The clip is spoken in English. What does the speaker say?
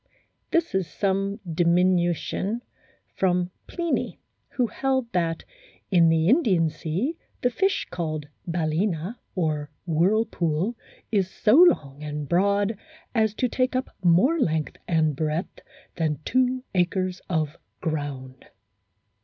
This is some diminution from Pliny, who held that "in the Indian sea the fish called balcena, or whirlpool, is so long and broad as to take up more length and breadth than two acres of ground."